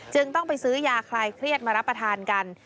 ต้องไปซื้อยาคลายเครียดมารับประทานกัน